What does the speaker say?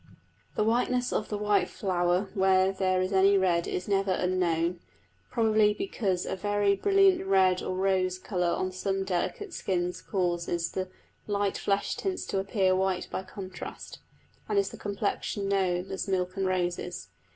The whiteness of the white flower where there is any red is never unhuman, probably because a very brilliant red or rose colour on some delicate skins causes the light flesh tints to appear white by contrast, and is the complexion known as "milk and roses."